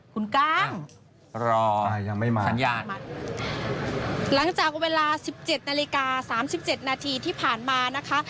คุณก้างรอยังไม่มาสัญญาณหลังจากเวลาสิบเจ็ดนาฬิกาสามสิบเจ็ดนาทีที่ผ่านมานะคะ